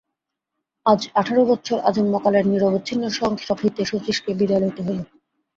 আজ আঠারো বৎসর আজন্মকালের নিরবচ্ছিন্ন সংস্রব হইতে শচীশকে বিদায় লইতে হইল।